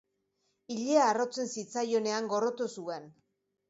Ilea harrotzen zitzaionean gorroto zuen.